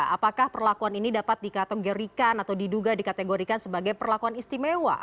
apakah perlakuan ini dapat dikategorikan atau diduga dikategorikan sebagai perlakuan istimewa